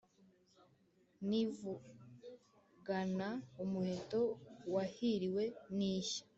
Nivugana umuheto wahiriwe n'ishya,